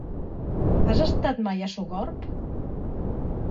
Has estat mai a Sogorb?